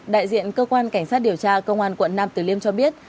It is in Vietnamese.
đại diện cơ quan cảnh sát điều tra công an quận nam tử liêm cho biết